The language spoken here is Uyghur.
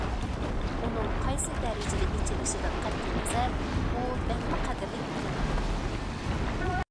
ئۇنىڭ قايسى دەرىجىدە ئېچىلىشىدىن قەتئىينەزەر، ئۇ بەكمۇ قەدىرلىك بىلىنىدۇ.